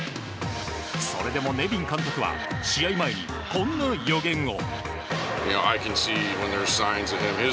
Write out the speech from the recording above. それでもネビン監督は試合前に、こんな予言を。